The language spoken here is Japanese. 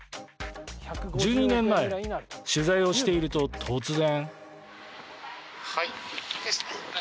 １２年前、取材をしていると突然。